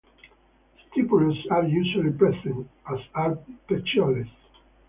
Stipules are usually present, as are petioles.